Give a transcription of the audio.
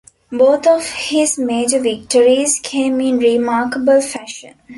Both of his major victories came in remarkable fashion.